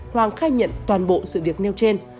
hoàng khai nhận toàn bộ sự việc nêu trên